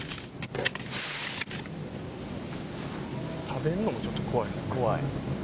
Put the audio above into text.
「食べるのもちょっと怖い」「怖い」